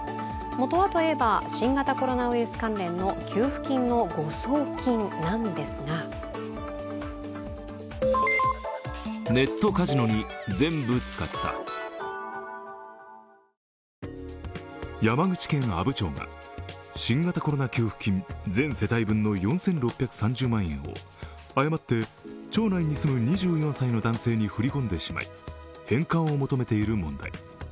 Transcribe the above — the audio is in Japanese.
もとはといえば新型コロナウイルス関連の給付金の誤送金なんですが山口県阿武町が新型コロナ給付金全世帯分の４６３０万円を誤って町内に住む２４歳の男性に振り込んでしまい返還を求めている問題。